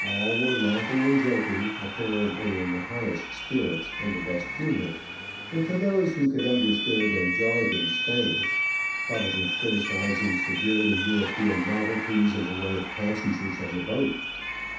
All were laughing and joking, apparently in the highest spirits and the best humour, and, to those who could ^,^ WAITING TO SELL ON THE BANKS OF THE MAGDALENA. understand their jargon Spanish, probably criticising severely European novelties in the way of passengers on the boat.